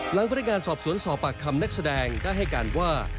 พนักงานสอบสวนสอบปากคำนักแสดงได้ให้การว่า